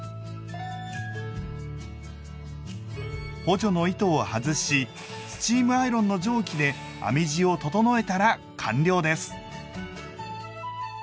補助の糸を外しスチームアイロンの蒸気で編み地を整えたら完了です。